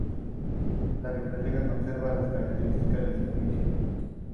La Biblioteca conserva las características de sus inicios.